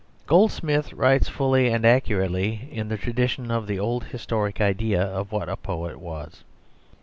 Goldsmith writes fully and accurately in the tradition of the old historic idea of what a poet was.